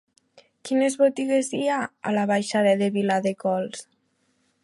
Quines botigues hi ha a la baixada de Viladecols?